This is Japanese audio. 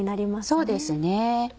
そうですね。